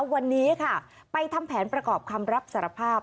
วันนี้ค่ะไปทำแผนประกอบคำรับสารภาพ